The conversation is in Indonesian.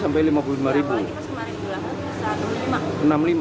apalagi pas kemarin idul ahal rp enam puluh lima